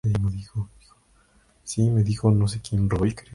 El carro de Afrodita era tirado por una bandada de palomas, sin embargo.